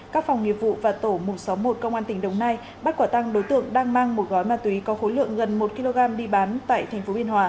các phòng nghiệp vụ và tổ một trăm sáu mươi một công an tỉnh đồng nai bắt quả tăng đối tượng đang mang một gói ma túy có khối lượng gần một kg đi bán tại tp biên hòa